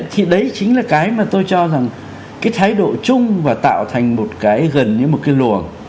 thì đấy chính là cái mà tôi cho rằng cái thái độ chung và tạo thành một cái gần như một cái luồng